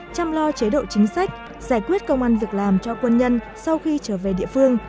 chăm lo chế độ chính sách giải quyết công an việc làm cho quân nhân sau khi trở về địa phương